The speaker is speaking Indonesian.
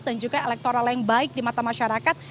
dan juga elektoral yang baik di mata masyarakat